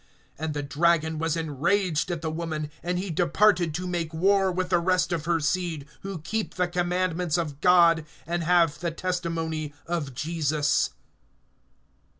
(17)And the dragon was enraged at the woman; and he departed to make war with the rest of her seed, who keep the commandments of God, and have the testimony of Jesus.